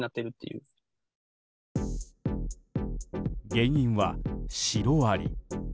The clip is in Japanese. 原因はシロアリ。